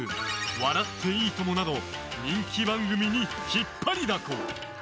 「笑っていいとも！」など人気番組に引っ張りだこ。